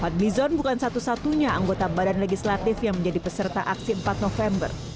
fadlizon bukan satu satunya anggota badan legislatif yang menjadi peserta aksi empat november